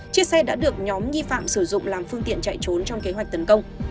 chiếc xe đã được nhóm nghi phạm sử dụng làm phương tiện chạy trốn trong kế hoạch tấn công